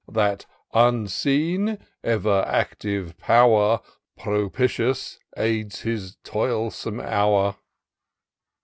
That unseen, ever active pow'r. Propitious aids his toilsome hour.